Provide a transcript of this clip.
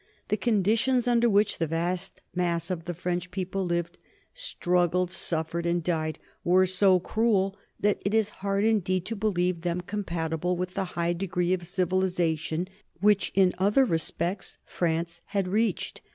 The conditions under which the vast mass of the French people lived, struggled, suffered, and died were so cruel that it is hard indeed to believe them compatible with the high degree of civilization which, in other respects, France had reached.